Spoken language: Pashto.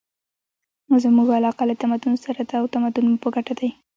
زموږ علاقه له تمدن سره ده او تمدن مو په ګټه دی.